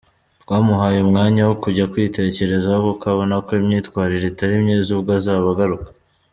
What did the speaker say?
Twamuhaye umwanya wo kujya kwitekerezaho kuko ubona ko imyitwarire itari myiza, ubwo azaba agaruka.